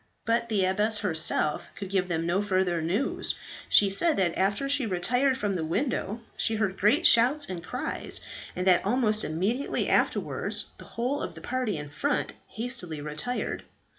But the abbess herself could give them no further news. She said that after she retired from the window, she heard great shouts and cries, and that almost immediately afterwards the whole of the party in front hastily retired.